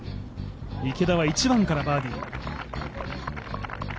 池田は１番からバーディー。